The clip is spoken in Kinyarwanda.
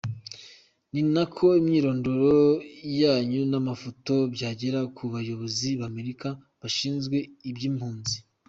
Ni nako imyirondoro yanyu n’amafoto byagera ku bayobozi b’Amerika bashinzwe iby’impunzi.